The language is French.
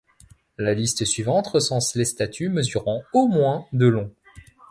La liste suivante recense les statues mesurant au moins de long.